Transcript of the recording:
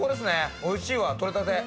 おいしいわ、取れたて。